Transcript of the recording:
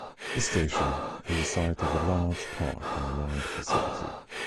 This station is the site of a large park and ride facility.